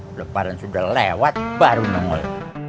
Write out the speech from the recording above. belum parah sudah lewat baru nongol